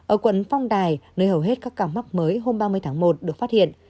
ở quận phong đài nơi hầu hết các ca mắc mới hôm ba mươi tháng một được phát hiện